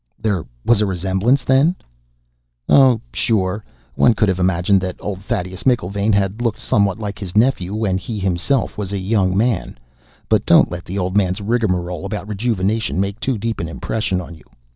"There was a resemblance, then?" "Oh, sure. One could have imagined that old Thaddeus McIlvaine had looked somewhat like his nephew when he himself was a young man. But don't let the old man's rigmarole about rejuvenation make too deep an impression on you.